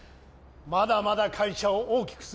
まだまだ会社を大きくするぞ！